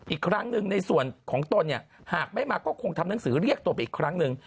อีกครั้งหนึ่งในส่วนของตนเนี่ยหากไม่มาก็คงทำหนังสือเรียกตัวไปอีกครั้งหนึ่ง